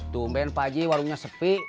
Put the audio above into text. tumben pak haji warungnya sepi